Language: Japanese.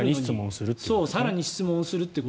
更に質問するという。